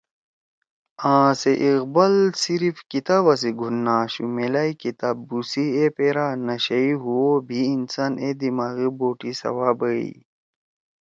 آسے اقبال صرف کتابا سی گُھون نہ آشُو میلائی کتاب بُو سی اے پیرا نشیئی ہُو او بھی انسان اے دماغی بوٹی سوا بَیَئی